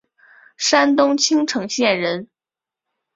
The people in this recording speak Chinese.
山东青城县人。